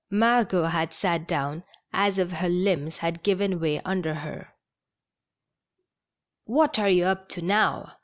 Margot had sat down as if her limbs had given way under her. " What are you up to now?